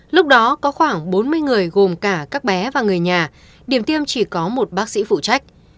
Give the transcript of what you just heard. lúc đó có khoảng bốn mươi người gồm cả các bé và người nhà điểm tiêm chỉ có một bác sĩ phụ trách